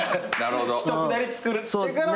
ひとくだりつくってから。